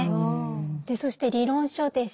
そして理論書です。